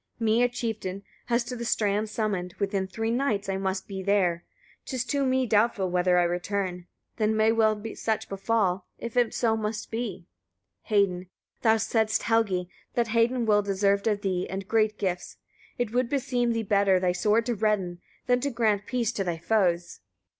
Me a chieftain has to the strand summoned; within three nights I must be there. 'Tis to me doubtful whether I return; then may well such befall, if it so must be. Hedin. 34. Thou saidst, Helgi! that Hedin well deserved of thee, and great gifts: It would beseem thee better thy sword to redden, than to grant peace to thy foes.